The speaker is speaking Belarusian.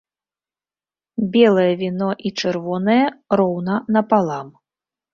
Белае віно і чырвонае роўна напалам.